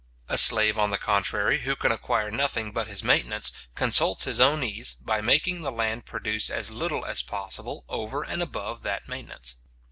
A slave, on the contrary, who can acquire nothing but his maintenance, consults his own ease, by making the land produce as little as possible over and above that maintenance.